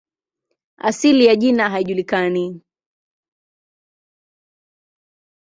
Asili ya jina haijulikani.